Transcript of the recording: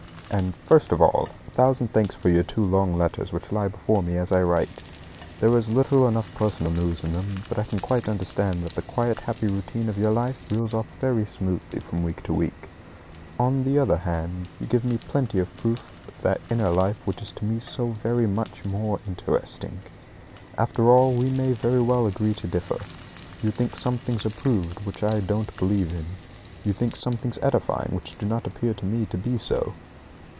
And first of all, a thousand thanks for your two long letters, which lie before me as I write. There is little enough personal news in them, but I can quite understand that the quiet happy routine of your life reels off very smoothly from week to week. On the other hand, you give me plenty of proof of that inner life which is to me so very much more interesting. After all, we may very well agree to differ. You think some things are proved which I don't believe in. You think some things edifying which do not appear to me to be so.